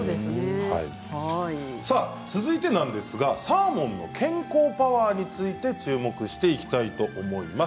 続いてサーモンの健康パワーについて注目していきたいと思います。